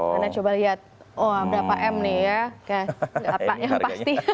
karena coba liat wah berapa m nih ya